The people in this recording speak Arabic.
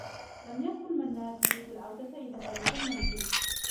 لم يكن منّاد يريد العودة إلى ذلك المنزل.